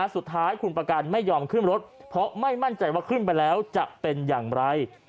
สุดท้ายคุณประกันไม่ยอมขึ้นรถเพราะไม่มั่นใจว่าขึ้นไปแล้วจะเป็นอย่างไร